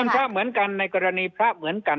พระเหมือนกันในกรณีพระเหมือนกัน